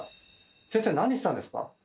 先生何したんですか？